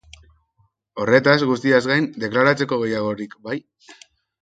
Horretaz guztiaz gain, deklaratzeko gehiagorik bai?